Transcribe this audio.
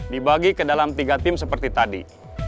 dibagi ke dalam tiga tim seperti tadi